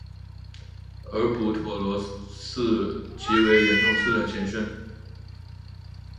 而补陀罗寺即为圆通寺的前身。